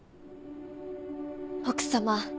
奥様